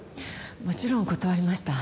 もちろん断りました。